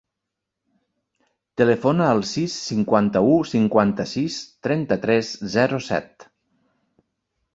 Telefona al sis, cinquanta-u, cinquanta-sis, trenta-tres, zero, set.